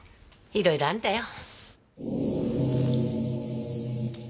いろいろあるんだよ！